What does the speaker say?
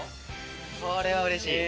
これはうれしい。